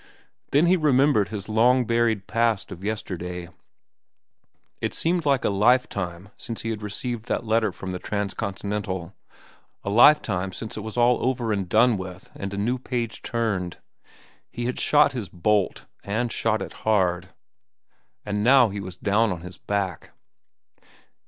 Then he remembered his long buried past of yesterday. It seemed a life time since he had received that letter from the Transcontinental, a life time since it was all over and done with and a new page turned. He had shot his bolt, and shot it hard, and now he was down on his back.